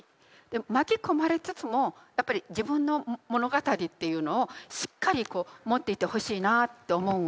巻き込まれつつもやっぱり「自分の物語」っていうのをしっかり持っていてほしいなって思うんですよ。